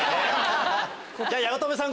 じゃあ八乙女さん